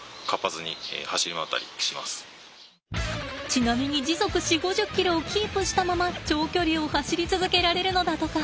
ちなみに時速４０５０ｋｍをキープしたまま長距離を走り続けられるのだとか。